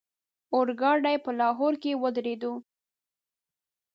اورګاډی به په لاهور کې ودرېدو.